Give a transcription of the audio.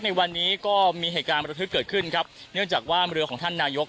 ในวันนี้ก็มีเหตุการณ์ประทึกเกิดขึ้นครับเนื่องจากว่าเรือของท่านนายก